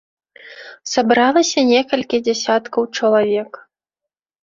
Сабралася некалькі дзясяткаў чалавек.